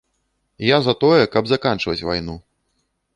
Я за тое, каб заканчваць вайну.